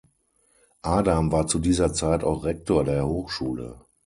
Adam war zu dieser Zeit auch Rektor der Hochschule.